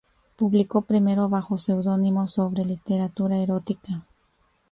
Publicó primero bajo seudónimo, sobre literatura erótica.